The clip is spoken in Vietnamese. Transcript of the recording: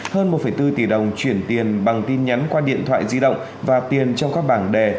hơn một bốn tỷ đồng chuyển tiền bằng tin nhắn qua điện thoại di động và tiền trong các bảng đề